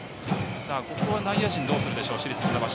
ここは内野陣どうするでしょう、市立船橋。